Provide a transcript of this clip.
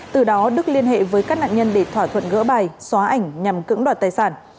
từ đó đức liên hệ với các nạn nhân để thỏa thuận gỡ bài xóa ảnh nhằm cưỡng đoạt tài sản